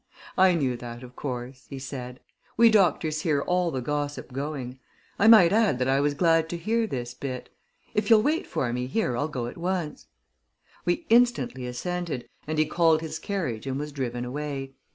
"I knew that, of course," he said. "We doctors hear all the gossip going. I might add that I was glad to hear this bit. If you'll wait for me here, I'll go at once." We instantly assented, and he called his carriage, and was driven away.